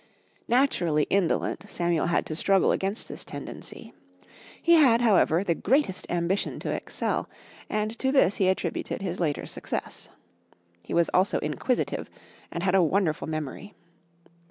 Naturally indolent, Samuel had to struggle against this tendency. He had, however, the greatest ambition to excel, and to this he attributed his later success. He was also inquisitive, and had a wonderful memory.